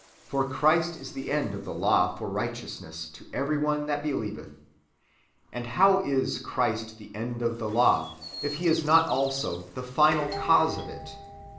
For Christ is the end of the law for righteousness to every one that belleveth." ^ And how Is Christ the end of the law, if He be not also the final cause of it